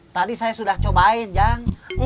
tadi saya sudah cobain jang